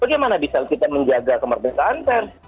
bagaimana bisa kita menjaga kemerdekaan pers